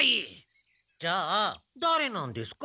じゃあだれなんですか？